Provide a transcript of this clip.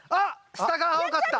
下が青かった。